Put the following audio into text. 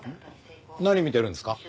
何見てるんですか？